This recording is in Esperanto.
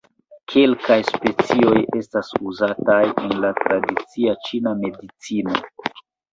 Kelkaj specioj estas uzataj en la tradicia ĉina medicino.